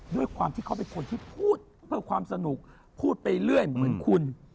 ด้วยความที่เขาเป็นคนที่พูดเพื่อความสนุกพูดไปเรื่อยเหมือนคุณ